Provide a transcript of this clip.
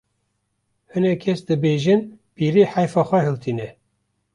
hinek kes dibêjin pîrê heyfa xwe hiltîne